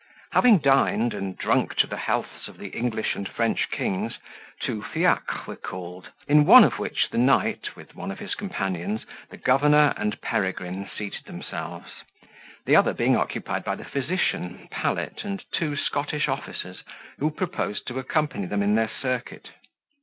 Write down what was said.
Having dined, and drunk to the healths of the English and French kings, two fiacres were called, in one of which the knight, with one of his companions, the governor, and Peregrine seated themselves, the other being occupied by the physician, Pallet, and two Scottish officers, who proposed to accompany them in their circuit.